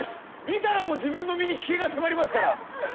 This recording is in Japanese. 見たら自分の身に危険が迫りますから。